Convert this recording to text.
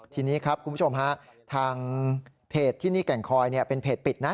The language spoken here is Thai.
ทีนี้ครับคุณผู้ชมฮะทางเพจที่นี่แก่งคอยเป็นเพจปิดนะ